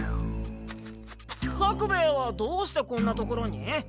作兵衛はどうしてこんな所に？